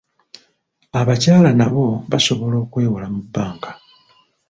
Abakyala nabo basobola okwewola mu bbanka.